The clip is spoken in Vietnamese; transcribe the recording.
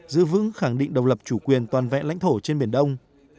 giữ vững khẳng định độc lập chủ quyền toàn vẹn lãnh thổ trên biển đông